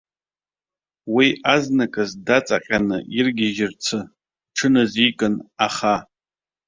Уи азныказ даҵаҟьаны иргьежьрацы иҽыназикын, аха.